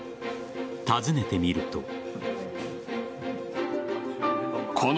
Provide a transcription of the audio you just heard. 訪ねてみると。